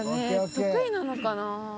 得意なのかな。